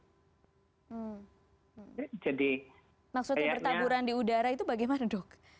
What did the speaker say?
hmm maksudnya bertaburan di udara itu bagaimana dok